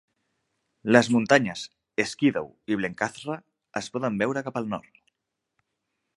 Les muntanyes Skiddaw i Blencathra es poden veure cap al nord.